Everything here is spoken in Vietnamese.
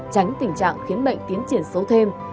tránh tình trạng khiến bệnh tiến triển xấu thêm